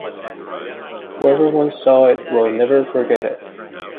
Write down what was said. Whoever once saw it will never forget it.